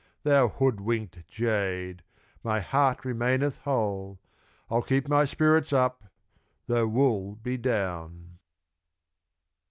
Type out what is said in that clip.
Thou hoodwinked jade! my heart remaineth whole I'll keep my spirits up though wool be down.